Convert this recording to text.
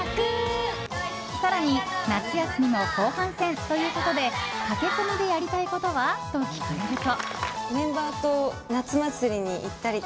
更に、夏休みも後半戦ということで駆け込みでやりたいことは？と聞かれると。